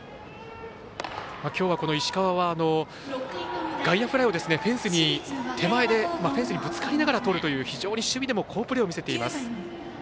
きょうは石川は外野フライをフェンスにぶつかりながらとるという非常に守備でも好プレーを見せています。